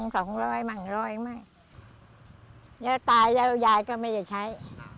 เดี๋ยวตายแล้วยายก็ไม่ได้ใช้